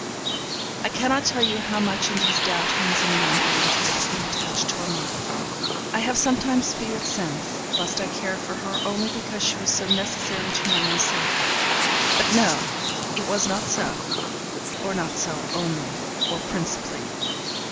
I cannot tell you how much in these doubtings and wanderings I became attached to Amante. I have sometimes feared since, lest I cared for her only because she was so necessary to my own safety; but, no! it was not so; or not so only, or principally.